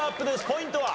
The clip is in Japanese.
ポイントは？